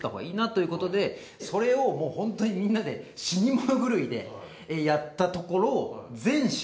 ということでそれをみんなで死に物狂いでやったところ。